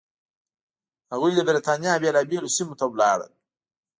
هغوی د برېټانیا بېلابېلو سیمو ته لاړل.